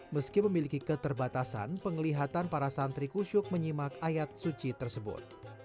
meski memiliki keterbatasan penglihatan para santri kusyuk menyimak ayat suci tersebut